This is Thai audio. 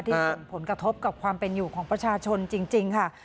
ส่งผลกระทบกับความเป็นอยู่ของประชาชนจริงค่ะ